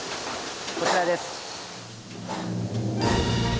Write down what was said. こちらです。